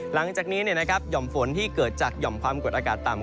หลังจากนี้หย่อมฝนที่เกิดจากหย่อมความกดอากาศต่ำ